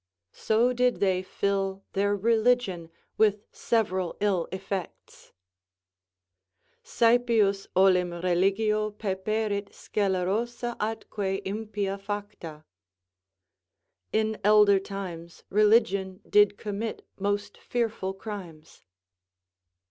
So did they fill their religion with several ill effects: Sæpius olim Religio peperit scelerosa atque impia facta. "In elder times Religion did commit most fearful crimes."